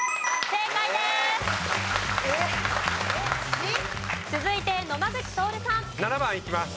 正解です。